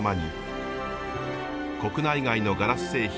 国内外のガラス製品